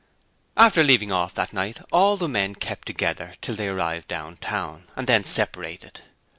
After leaving off that night, all the men kept together till they arrived down town, and then separated.